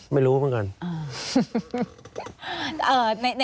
ไม่รู้เหมือนกัน